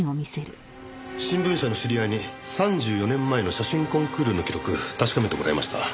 新聞社の知り合いに３４年前の写真コンクールの記録確かめてもらいました。